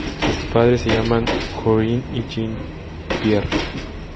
Sus padres se llaman Corinne y Jean- Pierre.